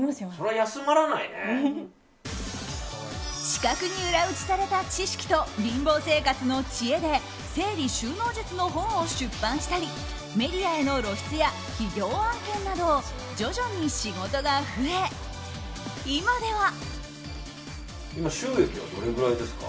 資格に裏打ちされた知識と貧乏生活の知恵で整理収納術の本を出版したりメディアへの露出や企業案件など徐々に仕事が増え、今では。